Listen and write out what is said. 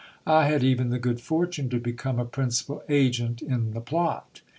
I had even the good fortune to become a principal agent in the plot.